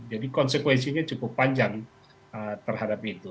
jadi konsekuensinya cukup panjang terhadap itu